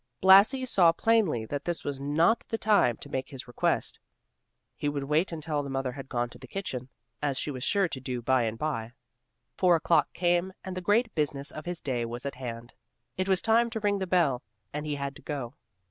Blasi saw plainly that this was not the time to make his request. He would wait until the mother had gone to the kitchen, as she was sure to do bye and bye. Four o'clock came and the great business of his day was at hand; it was time to ring the bell, and he had to go.